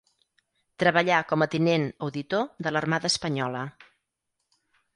Treballà com a tinent auditor de l'Armada Espanyola.